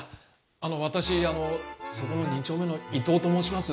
あの私あのそこの２丁目の伊藤と申します。